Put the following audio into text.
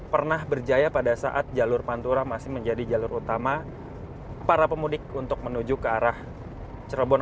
pernah berjaya pada saat jalur pantura masih menjadi jalur utama para pemudik untuk menuju ke arah cirebon